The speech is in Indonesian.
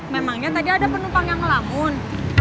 memangnya tadi ada penumpang yang melamun